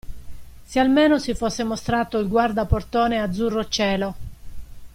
Se almeno si fosse mostrato il guardaportone azzurro cielo!